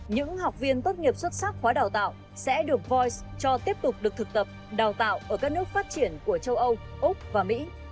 những học viên tốt nghiệp xuất sắc khóa đào tạo sẽ được voi cho tiếp tục được thực tập đào tạo ở các nước phát triển của châu âu úc và mỹ